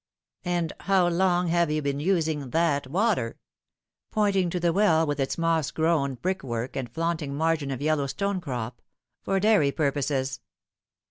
" And how long have you been using that water," pointing to the well, with its moss grown brickwork and flaunting margin of yellow stonecrop, " for dairy purposes